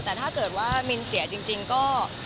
แต่ถ้าเกิดว่ามินเสียจริงก็